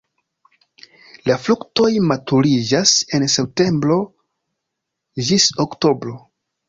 La fruktoj maturiĝas en septembro ĝis oktobro.